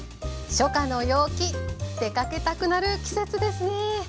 初夏の陽気出かけたくなる季節ですね。